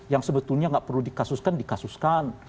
yang sebetulnya nggak perlu dikasuskan dikasuskan